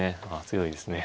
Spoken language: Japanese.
強いですね